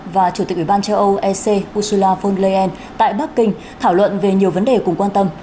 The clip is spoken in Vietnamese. và chủ tịch ủy ban châu âu ec ursula von leyen tại bắc kinh thảo luận về nhiều vấn đề cùng quan tâm